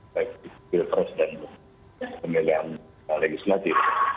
baik di kursi dan pemilihan legislatif